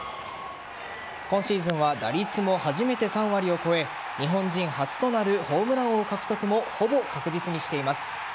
今シーズンは打率も初めて３割を超え日本人初となるホームラン王獲得もほぼ確実にしています。